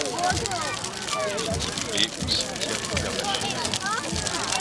Elle est inhumée au cimetière du Père-Lachaise.